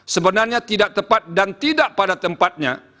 sebenarnya tidak tepat dan tidak pada tempatnya